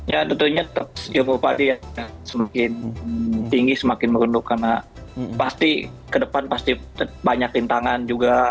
ya tentunya bupati semakin tinggi semakin merunduk karena pasti ke depan pasti banyak rintangan juga